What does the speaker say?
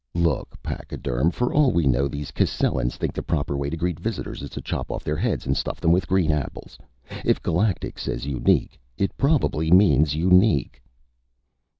"Look, pachyderm, for all we know, these Cascellans think the proper way to greet visitors is to chop off their heads and stuff them with green apples. If Galactic says unique, it probably means unique."